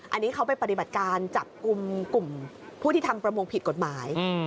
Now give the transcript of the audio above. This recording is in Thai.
อันนี้เขาไปปฏิบัติการจับกลุ่มกลุ่มผู้ที่ทำประมงผิดกฎหมาย